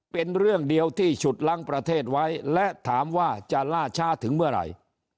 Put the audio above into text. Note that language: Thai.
เป็นเรื่องเดียวที่ฉุดล้างประเทศไว้และถามว่าจะล่าช้าถึงเมื่อไหร่